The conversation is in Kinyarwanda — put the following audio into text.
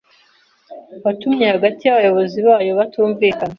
watumye hagati y’abayobozi bayo batumvikana